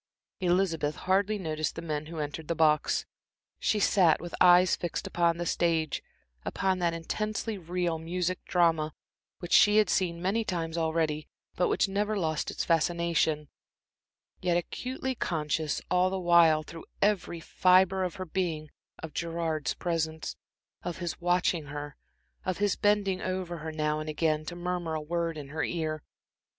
Elizabeth hardly noticed the men who entered the box. She sat with eyes fixed upon the stage, upon that intensely real music drama which she had seen many times already, but which never lost its fascination; yet acutely conscious all the while through every fibre of her being of Gerard's presence, of his watching her, of his bending over her, now and again, to murmur a word in her ear.